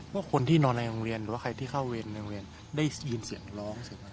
ว่าคนที่นอนในโรงเรียนหรือว่าใครที่เข้าเวรในโรงเรียนได้ยินเสียงร้องใช่ไหม